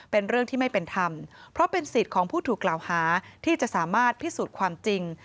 เป็นเรื่องที่ไม่เป็นธรรมเพราะเป็นสิทธิ์ของผู้ถูกกล่าวหาที่จะสามารถพิสูจน์ความจริง